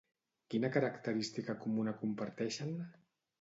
Quina característica comuna comparteixen?